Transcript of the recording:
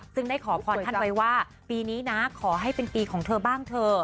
ซึ่งได้ขอพรท่านไว้ว่าปีนี้นะขอให้เป็นปีของเธอบ้างเธอ